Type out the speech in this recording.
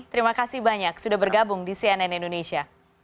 terima kasih banyak sudah bergabung di cnn indonesia